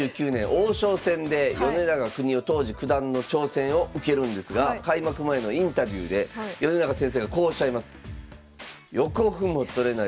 王将戦で米長邦雄当時九段の挑戦を受けるんですが開幕前のインタビューで米長先生がこうおっしゃいます。